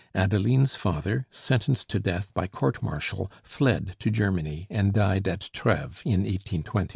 Adeline's father, sentenced to death by court martial, fled to Germany, and died at Treves in 1820.